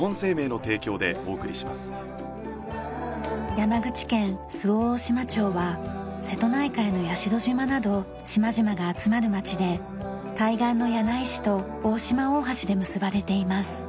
山口県周防大島町は瀬戸内海の屋代島など島々が集まる町で対岸の柳井市と大島大橋で結ばれています。